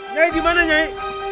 nyai dimana nyai